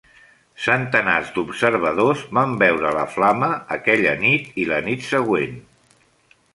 Centenars d'observadors van veure la flama aquella nit i la nit següent.